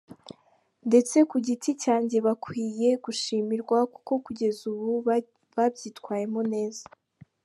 Ndetse ku giti cyanjye, bakwiye gushimirwa kuko kugeza ubu babyitwayemo neza.